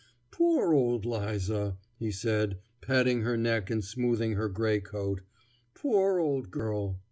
"Poor old 'Liza!" he said, patting her neck and smoothing her gray coat, "poor old girl!